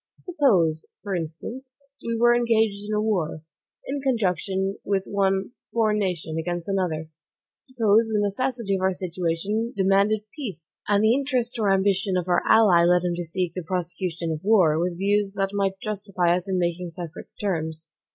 Suppose, for instance, we were engaged in a war, in conjunction with one foreign nation, against another. Suppose the necessity of our situation demanded peace, and the interest or ambition of our ally led him to seek the prosecution of the war, with views that might justify us in making separate terms.